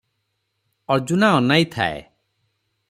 ଅର୍ଜୁନା ଅନାଇ ଥାଏ ।